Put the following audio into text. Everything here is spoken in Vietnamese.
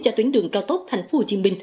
cho tuyến đường cao tốc tp hcm